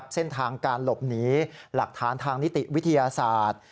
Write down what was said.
เส้นทางการหลบหนีหลักฐานทางนิติวิทยาศาสตร์